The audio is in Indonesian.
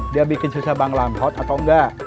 dia bikin susah bang lamhot atau enggak